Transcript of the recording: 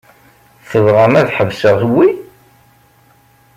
Tebɣamt ad ḥesbeɣ wi?